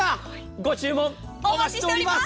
ご注文お待ちしております！